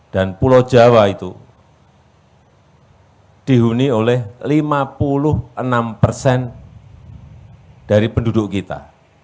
dan pulau jawa itu dihuni oleh lima puluh enam persen dari penduduk kita